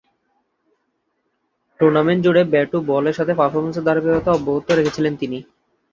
Tournament জুড়ে bat ও বলের সাথে পারফরম্যান্সের ধারাবাহিকতা অব্যাহত রেখেছিলেন তিনি।